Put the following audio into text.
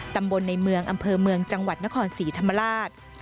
ตำบลในเมืองอำเภอเมืองจังหวัดนครศรีธรรมราช